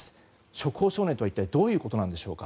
触法少年とは一体どういうことなんでしょうか。